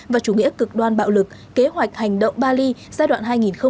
và chủ nghĩa cực đoan bạo lực kế hoạch hành động bali giai đoạn hai nghìn hai mươi một hai nghìn hai mươi năm